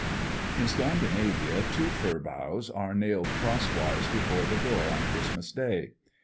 In Scandinavia two fir boughs are nailed crosswise before the door on Christmas day.